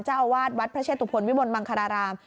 เจ้าอาวาสวัดพระเชตุพลวิมลมังคาราราม